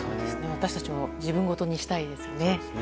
私たちもじぶんごとにしたいですよね。